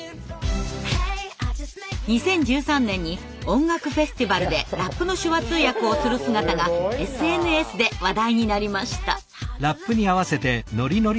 ２０１３年に音楽フェスティバルでラップの手話通訳をする姿がＳＮＳで話題になりました。